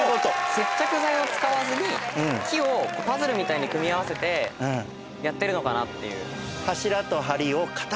接着剤を使わずに木をパズルみたいに組み合わせてやってるのかなっていう。